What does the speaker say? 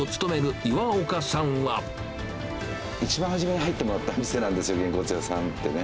一番初めに入ってもらった店なんですよ、げんこつ屋さんってね。